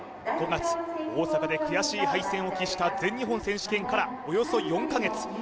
５月大阪で悔しい敗戦を喫した全日本選手権からおよそ４か月